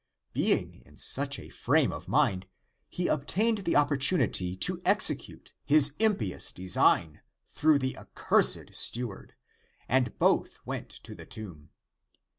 Being in such a frame of mind he obtained the opportunity to exe cute his impious design through the accursed stew 1 66 THE APOCRYPHAL ACTS ard, and both went to the tomb.